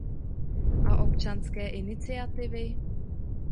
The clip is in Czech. A občanské iniciativy?